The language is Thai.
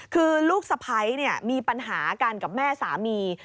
คือลูกสะพ้ายมีปัญหากันกับแม่สามี